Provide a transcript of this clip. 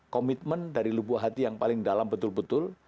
komitmen dari lubuh hati yang paling dalam betul betul